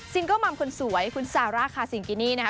เกิลมัมคนสวยคุณซาร่าคาซิงกินี่นะคะ